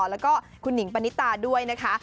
แล้วก็คุณหนิงปณิตาด้วยนะคะ